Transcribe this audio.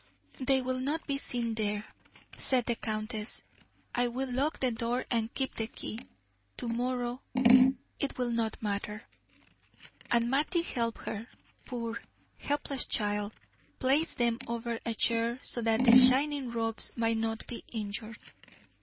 "They will not be seen there," said the countess. "I will lock the door and keep the key; to morrow it will not matter." And Mattie helped her poor, helpless child! place them over a chair so that the shining robes might not be injured.